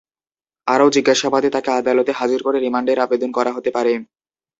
আরও জিজ্ঞাসাবাদে তাঁকে আদালতে হাজির করে রিমান্ডের আবেদন করা হতে পারে।